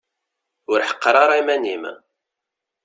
Ur ḥeqqer ara iman-im.